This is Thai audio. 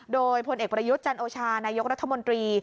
โดยพลเอกประยุทธ์จันโอชานายกรัฐมนตรี